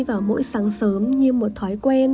vào mỗi sáng sớm như một thói quen